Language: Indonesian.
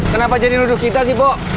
kenapa jadi duduk kita sih mbok